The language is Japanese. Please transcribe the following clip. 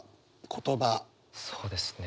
そうですね